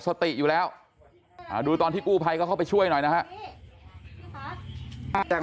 สติอยู่แล้วดูตอนที่กู้ภัยก็เข้าไปช่วยหน่อยนะฮะแต่